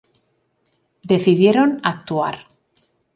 Decidieron actuar.